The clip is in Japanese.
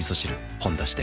「ほんだし」で